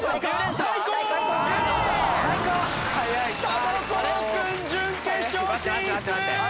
田所君準決勝進出！